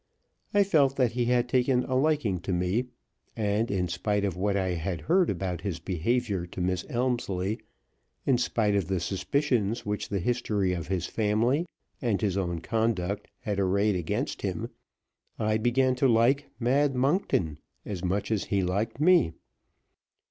I felt that he had taken a liking to me, and, in spite of what I had heard about his behavior to Miss Elmslie, in spite of the suspicions which the history of his family and his own conduct had arrayed against him, I began to like "Mad Monkton" as much as he liked me.